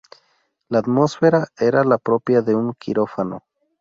La atmósfera era la propia de un quirófano.